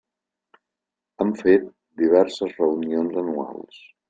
Han fet diverses reunions anuals.